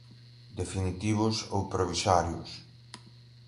definitivos ou provisórios.